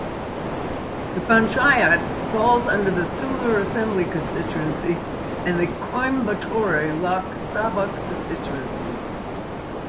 The panchayat falls under the Sulur Assembly constituency and the Coimbatore Lok Sabha constituency.